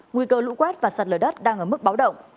nguy cơ lũ quét và sạt lở đất đang ở mức báo động